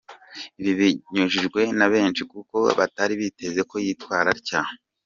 Ibi byijujutiwe na benshi kuko batari biteze ko yitwara atya.